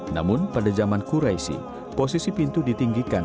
namun pada zaman kuraisi posisi pintu ditinggikan